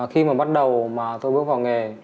khi mà bắt đầu mà tôi bước vào nghề